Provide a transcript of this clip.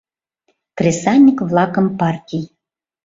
Кресаньык-влакым партий